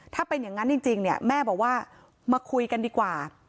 ถ้าเป็นอย่างนั้นจริงเนี่ยแม่บอกว่ามาคุยกันดีกว่า